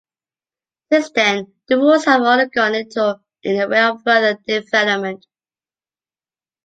Since then, the rules have undergone little in the way of further development.